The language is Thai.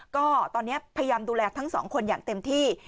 ก็ตอนนี้พยายามดูแลทั้งสองคนอย่างเต็มที่